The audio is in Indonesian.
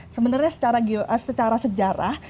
sebenarnya secara sejarah